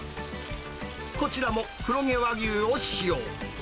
こちらも黒毛和牛を使用。